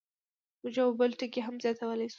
موږ یو بل ټکی هم زیاتولی شو.